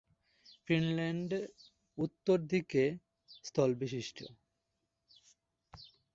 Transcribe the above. Finland উত্তর দিকে স্থলবেষ্টিত।